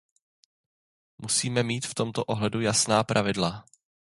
Musíme mít v tomto ohledu jasná pravidla.